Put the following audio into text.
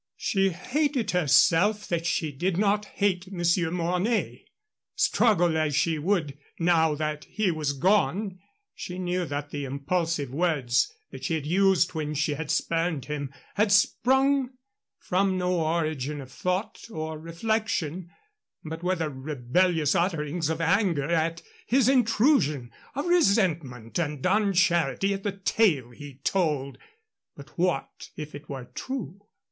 She hated herself that she did not hate Monsieur Mornay. Struggle as she would, now that he was gone she knew that the impulsive words that she had used when she had spurned him had sprung from no origin of thought or reflection, but were the rebellious utterings of anger at his intrusion of resentment and uncharity at the tale he told. But what if it were true?